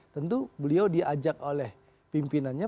tentu beliau diajak oleh pimpinannya